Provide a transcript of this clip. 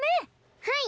はい。